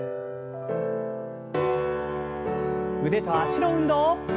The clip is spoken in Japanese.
腕と脚の運動。